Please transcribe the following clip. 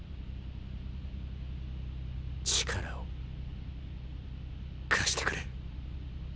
力を貸してくれ。